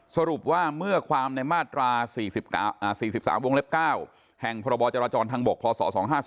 สรุปว่าเมื่อความในมาตรา๔๓วงเล็บ๙แห่งพรบจราจรทางบกพศ๒๕๔